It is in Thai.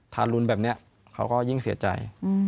ทารุณแบบนี้เขาก็ยิ่งเสียใจ